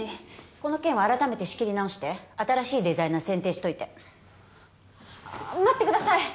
この件は改めて仕切り直して新しいデザイナー選定しといて待ってください！